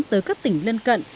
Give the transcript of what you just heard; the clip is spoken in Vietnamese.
tới các tỉnh lân cận